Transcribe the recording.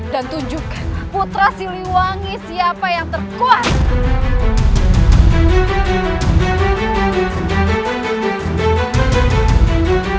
dan tunjukkan putra si liwangi siapa yang terkuat